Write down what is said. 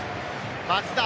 松田。